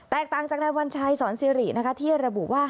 แตกต่างจากนายวัญชัยสรสิริที่ระบุว่า